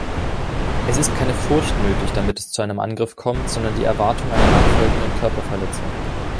Es ist keine Furcht nötig, damit es zu einem Angriff kommt, sondern die Erwartung einer nachfolgenden Körperverletzung.